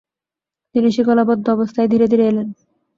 তিনি শিকলাবদ্ধ অবস্থায় ধীরে ধীরে এলেন।